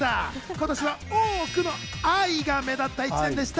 今年は多くの愛が目立った１年でした。